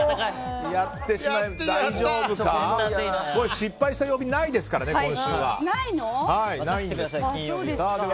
失敗した曜日はないですからね、今週は。